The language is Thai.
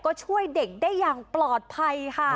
ก็ช่วยเด็กได้อย่างปลอดภัยค่ะ